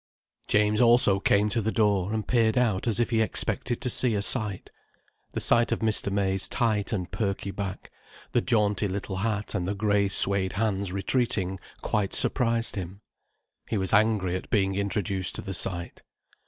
James also came to the door, and peered out as if he expected to see a sight. The sight of Mr. May's tight and perky back, the jaunty little hat and the grey suède hands retreating quite surprised him. He was angry at being introduced to the sight.